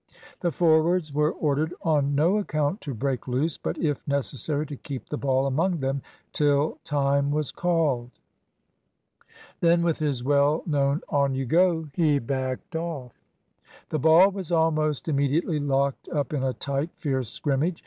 The forwards were ordered on no account to break loose, but if necessary to keep the ball among them till time was called. Then, with his well known "On you go!" he lacked off. The ball was almost immediately locked up in a tight, fierce scrimmage.